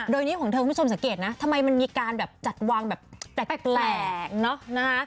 โดยนี้ของเธอคุณผู้ชมสังเกตนะทำไมมันมีการแบบจัดวางแบบแปลกเนอะนะฮะ